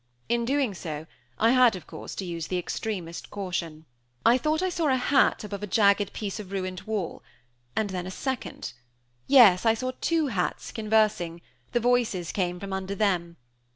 In doing so, I had, of course, to use the extremest caution. I thought I saw a hat above a jagged piece of ruined wall, and then a second yes, I saw two hats conversing; the voices came from under them.